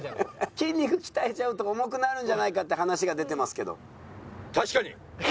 筋肉鍛えちゃうと重くなるんじゃないかって話が出てますけど。